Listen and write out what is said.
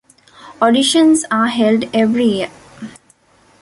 Auditions are held every year.